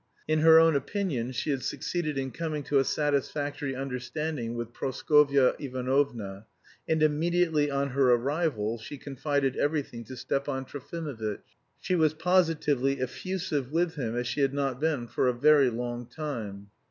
In her own opinion she had succeeded in coming to a satisfactory understanding with Praskovya Ivanovna, and immediately on her arrival she confided everything to Stepan Trofimovitch. She was positively effusive with him as she had not been for a very long time.